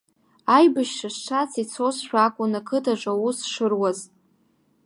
Аибашьра шцац ицозшәа акәын ақыҭаҿ аус шыруаз.